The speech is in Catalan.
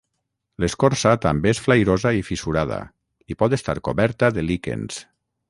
L'escorça també és flairosa i fissurada i pot estar coberta de líquens.